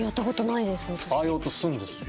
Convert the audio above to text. ああいう音するんですよ。